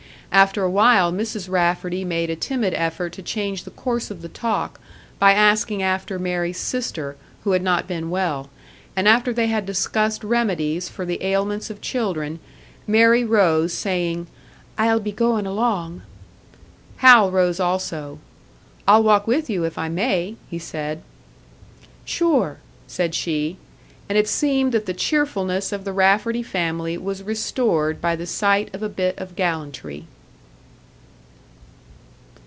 After a while Mrs. Rafferty made a timid effort to change the course of the talk, by asking after Mary's sister, who had not been well; and after they had discussed remedies for the ailments of children, Mary rose, saying, "I'll be goin' along." Hal rose also. "I'll walk with you, if I may," he said. "Sure," said she; and it seemed that the cheerfulness of the Rafferty family was restored by the sight of a bit of gallantry.